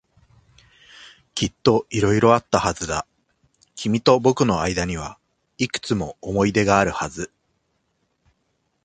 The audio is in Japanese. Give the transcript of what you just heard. きっと色々あったはずだ。君と僕の間にはいくつも思い出があるはず。